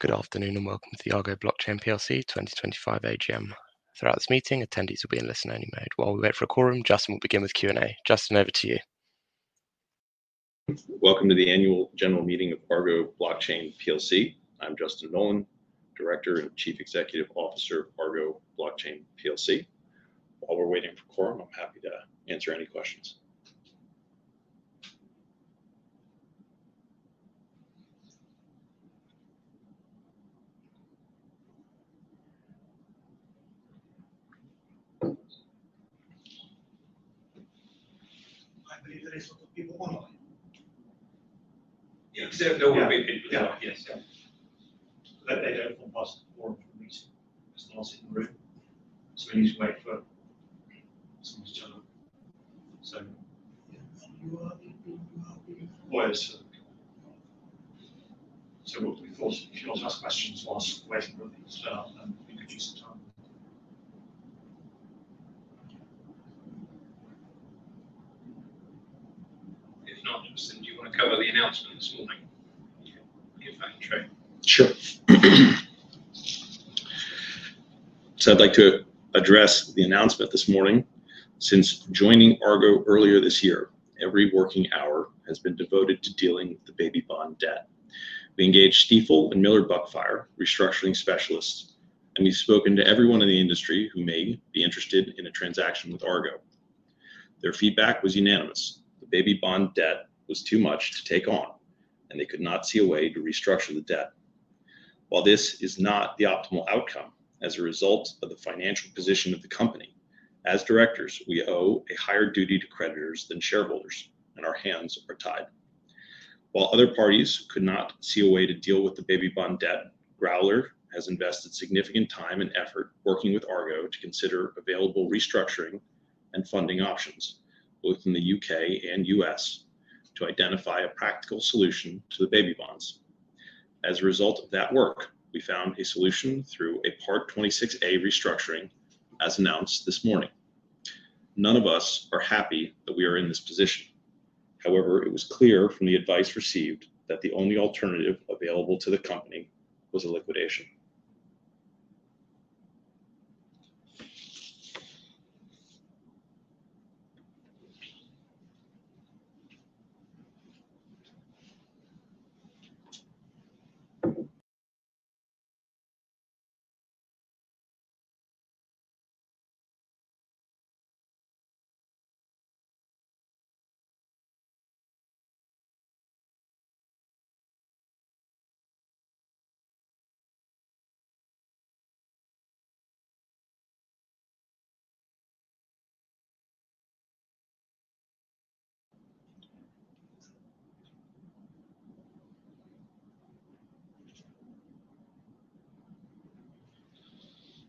Good afternoon and welcome to the Argo Blockchain PLC 2025 AGM. Throughout this meeting, attendees will be in listen-only mode. While we wait for a quorum, Justin will begin with Q&A. Justin, over to you. Welcome to the Annual General Meeting of Argo Blockchain PLC. I'm Justin Nolan, Director and Chief Executive Officer of Argo Blockchain PLC. While we're waiting for quorum, I'm happy to answer any questions. Yeah, because they're all waiting. Yeah, yes. Yes. We thought if you'd like to ask questions, whilst waiting. If not, Justin, do you want to cover the announcement this morning? If that's true. Sure. I'd like to address the announcement this morning. Since joining Argo earlier this year, every working hour has been devoted to dealing with the baby bond debt. We engaged Stifel and Miller Buckfire, restructuring specialists, and we've spoken to everyone in the industry who may be interested in a transaction with Argo. Their feedback was unanimous. The baby bond debt was too much to take on, and they could not see a way to restructure the debt. While this is not the optimal outcome as a result of the financial position of the company, as directors, we owe a higher duty to creditors than shareholders, and our hands are tied. While other parties could not see a way to deal with the baby bond debt, Growler has invested significant time and effort working with Argo to consider available restructuring and funding options both in the U.K. and U.S. to identify a practical solution to the baby bonds. As a result of that work, we found a solution through a Part 26A restructuring, as announced this morning. None of us are happy that we are in this position. However, it was clear from the advice received that the only alternative available to the company was a liquidation.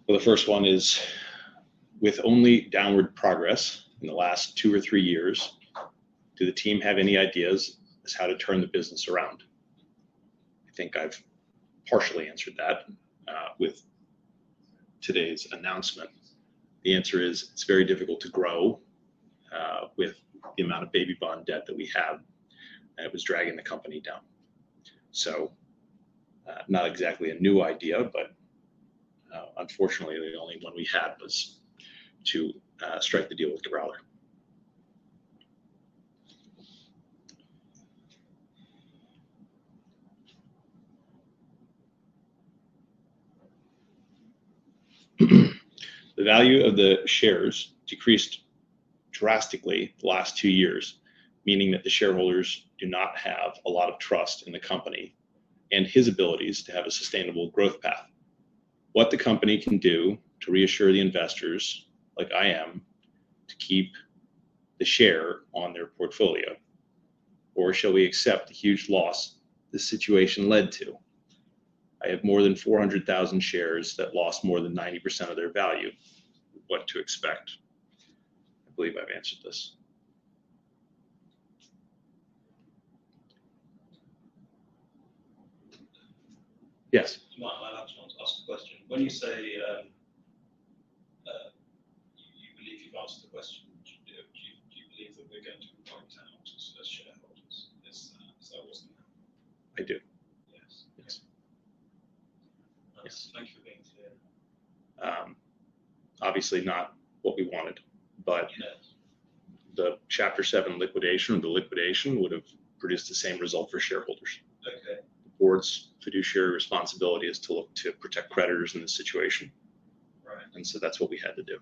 The first one is, with only downward progress in the last two or three years, do the team have any ideas as to how to turn the business around? I think I've partially answered that with today's announcement. The answer is it's very difficult to grow with the amount of baby bond debt that we have, and it was dragging the company down. Not exactly a new idea, but unfortunately, the only one we had was to strike the deal with Growler. The value of the shares decreased drastically the last two years, meaning that the shareholders do not have a lot of trust in the company and its abilities to have a sustainable growth path. What the company can do to reassure the investors, like I am, to keep the share on their portfolio? Or shall we accept the huge loss this situation led to? I have more than 400,000 shares that lost more than 90% of their value. What to expect? I believe I've answered this. Yes. My last one is to ask a question. When you say I do. Yes. Yes. Thank you for being clear. Obviously not what we wanted, but the Chapter 7 Liquidation or the liquidation would have produced the same result for shareholders. The board's fiduciary responsibility is to look to protect creditors in this situation. That's what we had to do.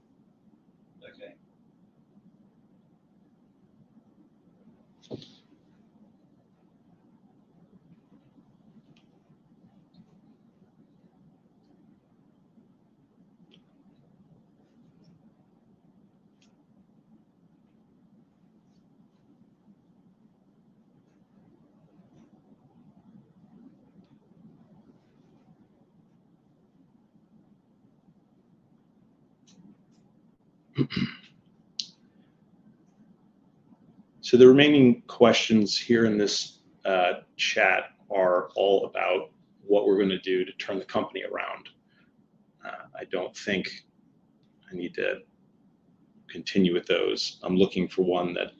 The remaining questions here in this chat are all about what we're going to do to turn the company around. I don't think I need to continue with those. I'm looking for one that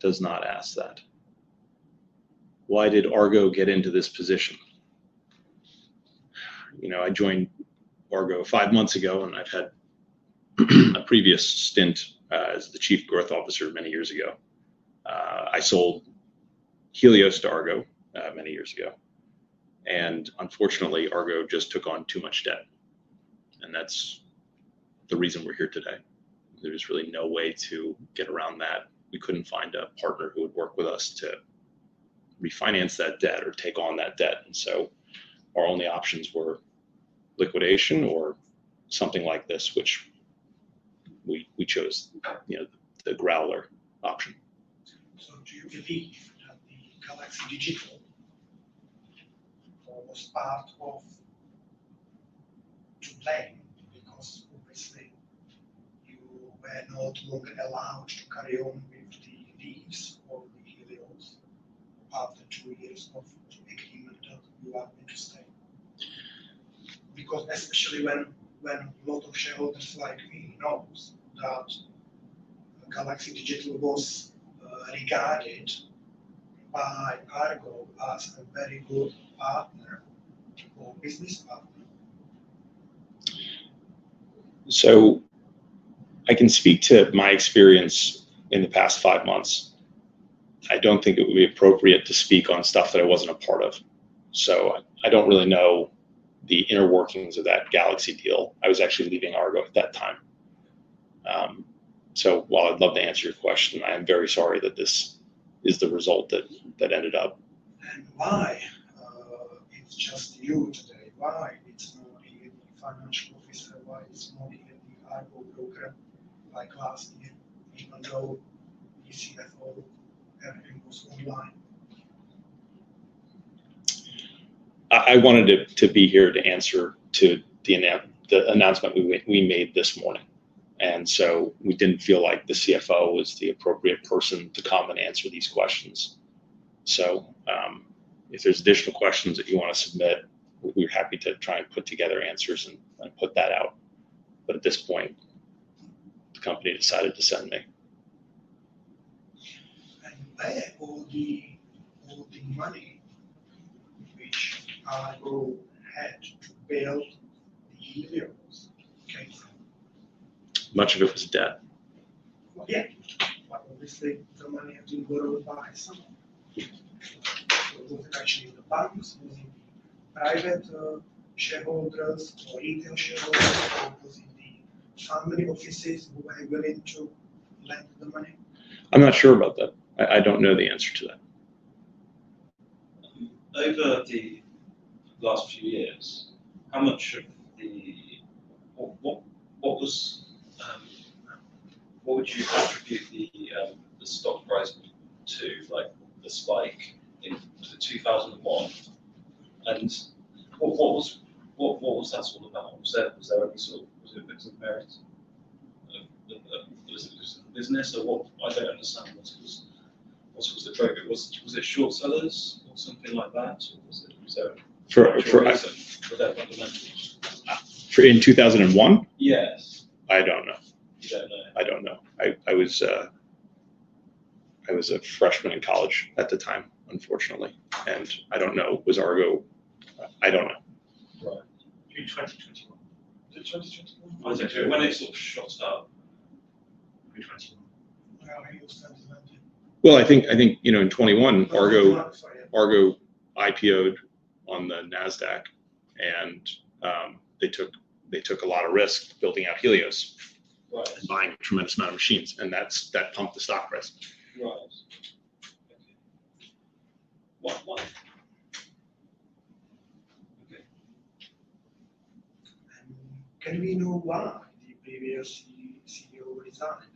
does not ask that. Why did Argo get into this position? I joined Argo five months ago, and I've had a previous stint as the Chief Growth Officer many years ago. I sold Helios to Argo many years ago, and unfortunately, Argo just took on too much debt, and that's the reason we're here today. There was really no way to get around that. We couldn't find a partner who would work with us to refinance that debt or take on that debt. Our only options were liquidation or something like this, which we chose the Growler option. Do you believe that Galaxy Digital not allowed to carry on with the lease or the Helios after two years of agreement that you had to stay? Because especially when a lot of shareholders like me know that Galaxy Digital was regarded I can speak to my experience in the past five months. I don't think it would be appropriate to speak on stuff that I wasn't a part of. I don't really know the inner workings of that Galaxy deal. I was actually leaving Argo at that time. While I'd love to answer your question, I am very sorry that this is the result that ended up. Why? It's just you today. Why? It's not really the financial officer. Why it's not really the Argo program like last year, I wanted to be here to answer to the announcement we made this morning. We did not feel like the CFO was the appropriate person to come and answer these questions. If there are additional questions that you want to submit, we are happy to try and put together answers and put that out. At this point, the company decided to send me. Much of it was debt. private shareholders or retail shareholders or it was in the family offices who were willing to lend the money? I'm not sure about that. I don't know the answer to that. Over the last few years, how much of the, what would you attribute the stock price to, like the spike in 2021? And what was that all about? Was there any sort of, was it a bit of merit of the business? Or I don't understand what it was. What was the program? Was it short sellers or something like that? Was it? For. In 2001? Yes. I don't know. You don't know? I don't know. I was a freshman in college at the time, unfortunately. I don't know. Was Argo? I don't know. Right. In 2021. When exactly? When it sort of shot up? I think in 2021, Argo IPOed on the NASDAQ, and they took a lot of risk building out Helios and buying a tremendous amount of machines. That pumped the stock price. Right. Why? CEO resigned?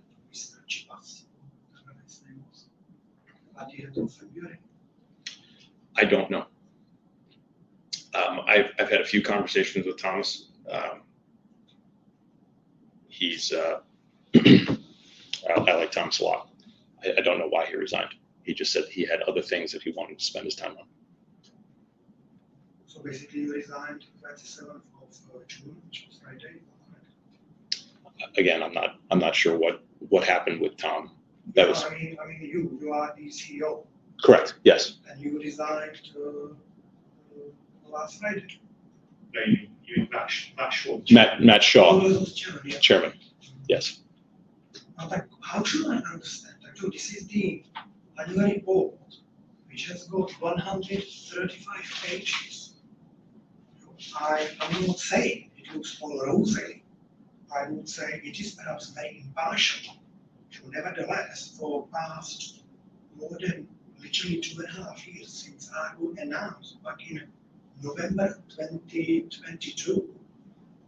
I don't know. I've had a few conversations with Thomas. I like Thomas a lot. I don't know why he resigned. He just said he had other things that he wanted to spend his time on. So basically, you resigned on the 27th of June, which was Friday, correct? Again, I'm not sure what happened with Tom. That was. I mean, you are the CEO. Correct. Yes. You resigned last Friday. No, you're not sure. Matt Shaw. Oh, that was the chairman. chairman. Yes. How should I understand? This is the annual report, which has got 135 pages. I would say it looks all rosy. I would say it is perhaps very impartial. Nevertheless, for the past back in November 2022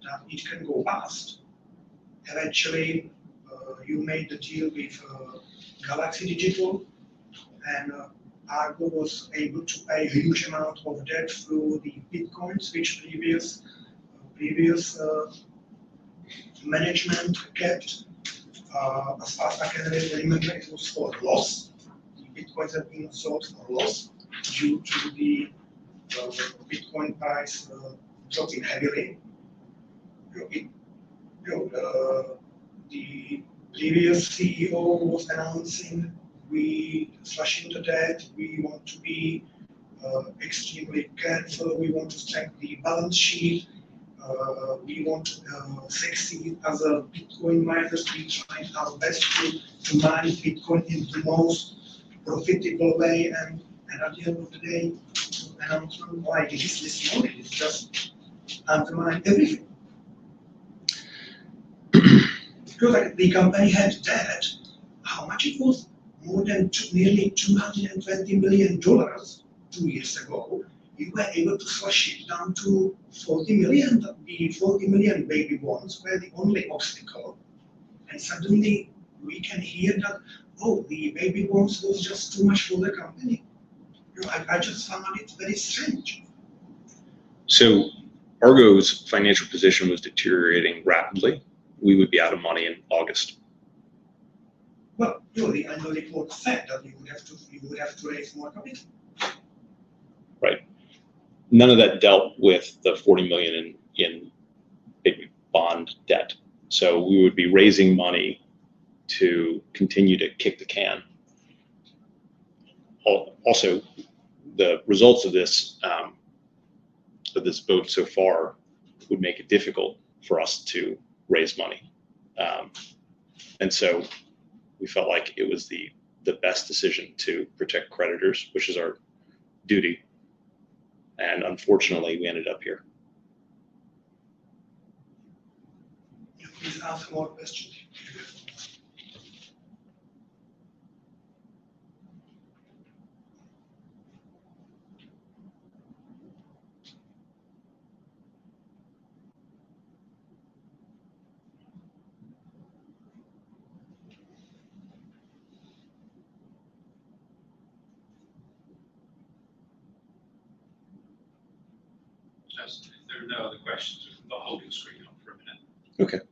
that it can go bust, eventually you made the deal with Galaxy Digital, and Argo was able to pay a huge amount of debt through the Bitcoins, which previous management kept. As far as I can remember, it was for loss. The Bitcoins had been sold for loss due to the Bitcoin price dropping heavily. The previous CEO was announcing, "We slash into debt. We want to be extremely careful. We want to strengthen the balance sheet. We want to succeed as a Bitcoin miner. We're trying our best to mine Bitcoin in the most profitable way". At the end of the day, the announcement, why this is noted, is just undermining everything. Because the company had debt, how much it was? More than nearly $220 million two years ago. You were able to slash it down to $40 million. The $40 million baby bonds were the only obstacle. Suddenly, we can hear that, "Oh, the baby bonds was just too much for the company." I just found it very strange. Argo's financial position was deteriorating rapidly. We would be out of money in August. None of that dealt with the $40 million in baby bond debt. We would be raising money to continue to kick the can. Also, the results of this vote so far would make it difficult for us to raise money. We felt like it was the best decision to protect creditors, which is our duty. Unfortunately, we ended up here. Please ask more questions. Just if there are no other questions, we can put the whole screen up for a minute. Okay.